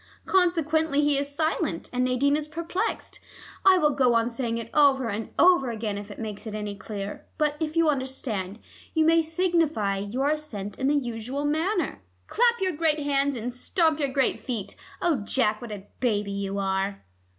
Consequently he is silent, and Nadine is perplexed. I will go on saying it over and over again if it makes it any clearer, but if you understand, you may signify your assent in the usual manner. Clap your great hands and stamp your great feet: oh, Jack, what a baby you are!"